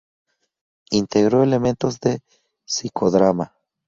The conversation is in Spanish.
Integró elementos de psicodrama.